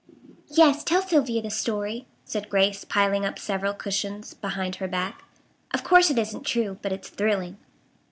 "Yes, tell Sylvia the story," said Grace, piling up several cushions behind her back. "Of course it isn't true, but it's thrilling."